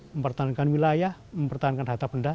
mempertahankan wilayah mempertahankan harta benda